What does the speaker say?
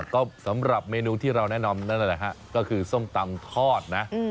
ก็สำหรับเมนูที่เราแนะนำนั่นแหละฮะก็คือส้มตำทอดนะ